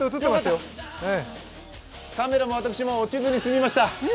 よかった、カメラも私も落ちずに済みました。